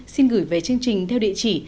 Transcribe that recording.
xin gửi về chương trình theo địa chỉ